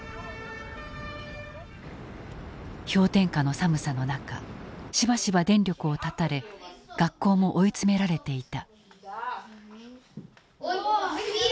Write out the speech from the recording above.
氷点下の寒さの中しばしば電力をたたれ学校も追い詰められていた。